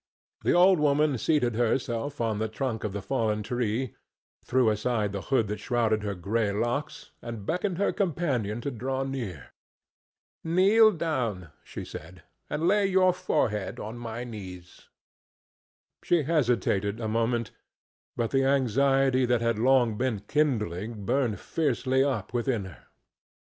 The old woman seated herself on the trunk of the fallen tree, threw aside the hood that shrouded her gray locks and beckoned her companion to draw near. "Kneel down," she said, "and lay your forehead on my knees." She hesitated a moment, but the anxiety that had long been kindling burned fiercely up within her.